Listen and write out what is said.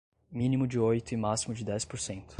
mínimo de oito e máximo de dez por cento